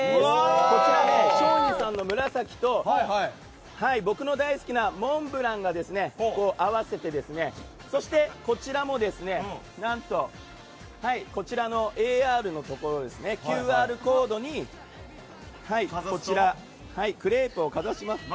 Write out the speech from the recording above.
こちらは松陰寺さんの紫と僕の大好きなモンブランが合わさっていてそして、こちらも何とＡＲのところのＱＲコードにクレープをかざします。